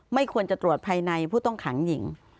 ไม่ควรจะตรวจภายในผู้ต้องขังหญิง